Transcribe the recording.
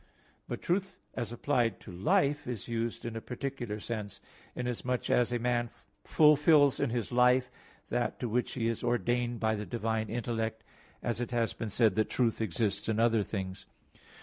But truth as applied to "life" is used in a particular sense, inasmuch as a man fulfills in his life that to which he is ordained by the divine intellect, as it has been said that truth exists in other things (A.